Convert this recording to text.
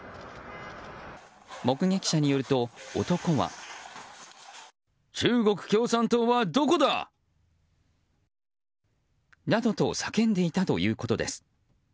目撃者によると、男は。などと叫んでいたということです。